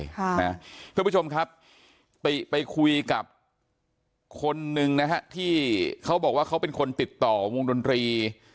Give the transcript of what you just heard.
ท่านผู้ชมครับติไปคุยกับคนหนึ่งนะฮะที่เขาบอกว่าเขาเป็นคนติดต่อวงดนตรี